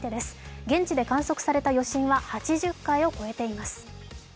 現地で観測された余震は８０回を超えています。